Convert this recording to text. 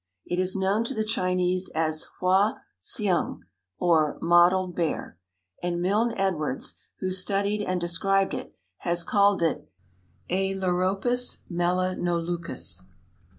It is known to the Chinese as hua hsiung, or "mottled bear," and Milne Edwards, who studied and described it, has called it Ailuropus melanoleucus.